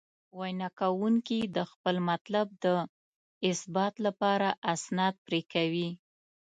وینا کوونکي د خپل مطلب د اثبات لپاره استناد پرې کوي.